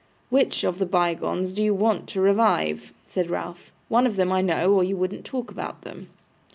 'WHICH of the bygones do you want to revive?' said Ralph. 'One of them, I know, or you wouldn't talk about them.